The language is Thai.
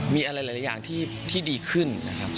มีอะไรหลายอย่างที่ดีขึ้นนะครับ